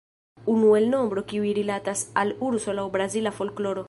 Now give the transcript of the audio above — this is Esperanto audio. Unu el nombroj kiuj rilatas al urso laŭ brazila folkloro.